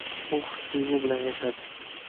u his-tuyg‘u bilan yashadi.